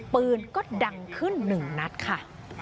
ปืนก็ดังขึ้นหนึ่งนัดค่ะ